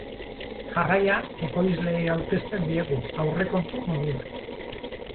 Jarraian, ekoizleei aurkezten diegu, aurrekontu modura.